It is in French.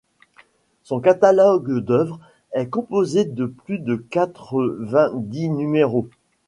Son catalogue d'œuvres est composé de plus de quatre-vingt dix numéros.